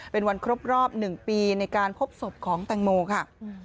เป็นวันครบรอบ๑ปีในการพบศพของแตงโมค่ะ